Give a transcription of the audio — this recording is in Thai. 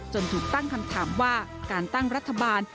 ถูกตั้งคำถามว่าการตั้งรัฐบาล